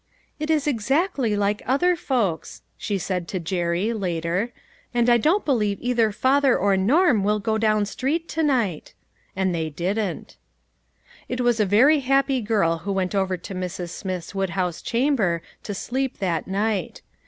" It is ex actly like other folks !" she said to Jerry, later, "and I don't believe either father or Norm will go down street to night." And they didn't. It was a very happy girl who went over to Mrs. Smith's woodhouse chamber to sleep that night.